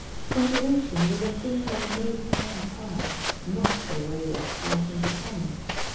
Conversation was a thing that made time pass, not a way of passing the time.